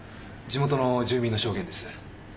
地元の住民の証言です。